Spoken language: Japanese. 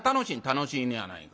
「楽しいのやないか。